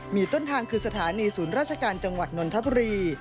มีต้นทางคือสถานีศูนย์ราชการจังหวัดนนทบุรี